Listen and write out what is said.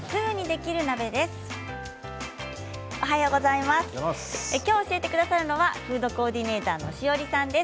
きょう教えてくださるのはフードコーディネーターのＳＨＩＯＲＩさんです。